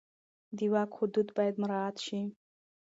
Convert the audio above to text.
د واک حدود باید مراعت شي.